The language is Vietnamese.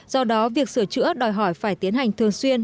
do đó việc sửa chữa đòi hỏi phải tiến hành thường xuyên